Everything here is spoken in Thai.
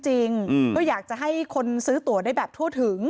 ก็อยากจะให้คนซื้อตัวได้แบบทั่วถึง